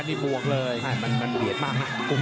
ด้วยมันเปรียดมากมากจริง